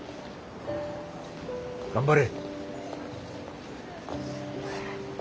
頑張れ。